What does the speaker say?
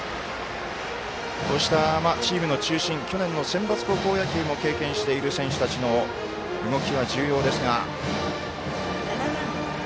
こうした、チームの中心去年のセンバツ高校野球も経験している選手たちの動きも重要ですが。